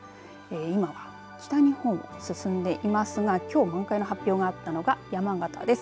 今は北日本を進んでいますがきょう満開の発表があったのが山形です。